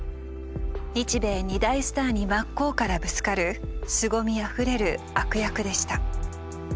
日米２大スターに真っ向からぶつかるすごみあふれる悪役でした。